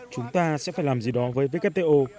chúng ta sẽ phải làm gì đó với wto